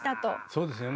そうですよね。